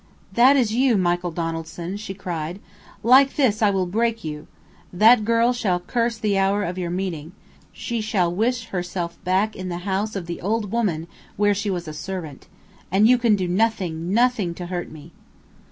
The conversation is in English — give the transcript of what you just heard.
"That is you, Michael Donaldson!" she cried. "Like this I will break you! That girl shall curse the hour of your meeting. She shall wish herself back in the house of the old woman where she was a servant! And you can do nothing nothing to hurt me!"